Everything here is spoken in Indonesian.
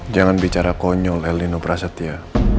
jangan bicara konyol elinobrasetia